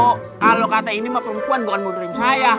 kalau kata ini mah perempuan bukan mau dream saya